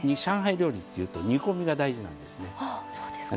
料理っていうと煮込みが大事なんですね。